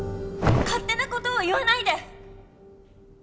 勝手な事を言わないで！